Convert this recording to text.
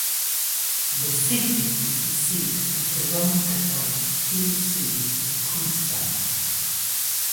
The city is the seat of the Roman Catholic Diocese of Queenstown.